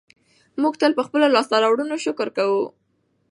موږ تل په خپلو لاسته راوړنو شکر کوو.